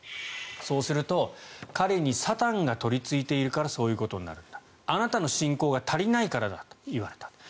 そうすると彼にサタンが取りついているからそういうことになるんだあなたの信仰が足りないからだと言われた。